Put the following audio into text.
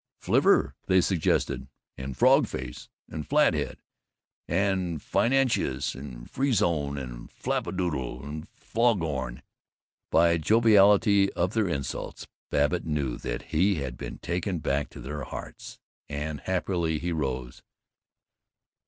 Flivver, they suggested, and Frog face and Flathead and Farinaceous and Freezone and Flapdoodle and Foghorn. By the joviality of their insults Babbitt knew that he had been taken back to their hearts, and happily he rose.